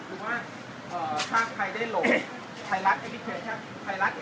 สวัสดีครับ